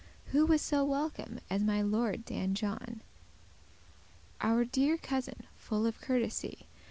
Who was so welcome as my lord Dan John, Our deare cousin, full of courtesy?